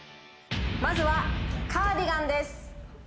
まずはカーディガンです。